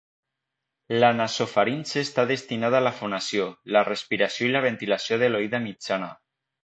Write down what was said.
La nasofaringe està destinada a la fonació, la respiració i la ventilació de l'oïda mitjana.